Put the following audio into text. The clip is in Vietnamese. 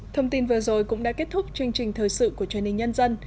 thông tin vừa rồi cũng đã kết thúc chương trình thời sự của truyền hình nhân dân